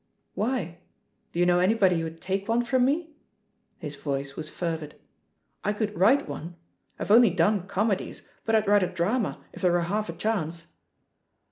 "Why? Do you know anybody who'd take one from me?" His voice was fervid. "I could write onel I've only done comedies, but I'd write a drama, if there were half a chance."